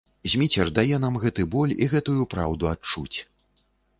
Зміцер дае нам гэты боль і гэтую праўду адчуць.